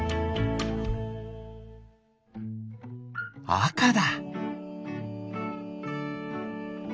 あかだ！